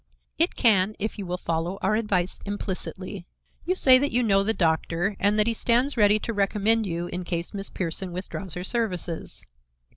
"It can if you will follow our advice implicitly. You say that you know the doctor and that he stands ready to recommend you in case Miss Pierson withdraws her services."